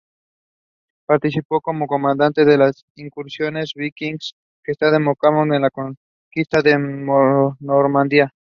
Participó como comandante en las incursiones vikingas que desembocaron en la conquista de Normandía.